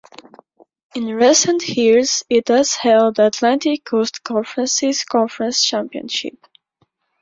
In recent years it has held the Atlantic Coast Conference's conference championship.